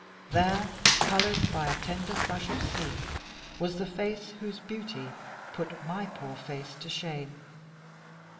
There, colored by a tender flush of sleep, was the face whose beauty put my poor face to shame.